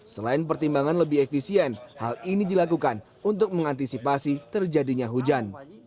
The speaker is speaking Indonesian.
selain pertimbangan lebih efisien hal ini dilakukan untuk mengantisipasi terjadinya hujan